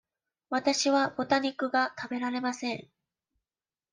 わたしはぶた肉が食べられません。